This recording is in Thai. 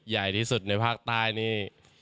ใหญ่ที่สุดในภาคใต้นี่